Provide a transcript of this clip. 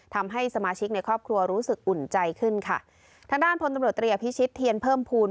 ทำให้สมาชิกในครอบครัวรู้สึกอุ่นใจขึ้นค่ะทางด้านพลตำรวจตรีอภิชิตเทียนเพิ่มภูมิ